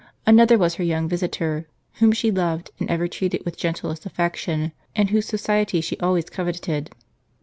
Another was her young visitor, whom she loved, and ever treated with gentlest affection, and whose society she always coveted.